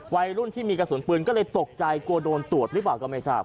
วัยรุ่นที่มีกระสุนปืนก็เลยตกใจกลัวโดนตรวจหรือเปล่าก็ไม่ทราบ